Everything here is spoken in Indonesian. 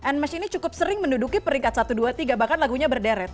anmesh ini cukup sering menduduki peringkat satu dua tiga bahkan lagunya berderet